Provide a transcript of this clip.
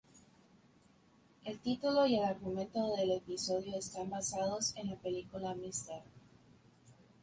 El título y el argumento del episodio están basados en la película "Mr.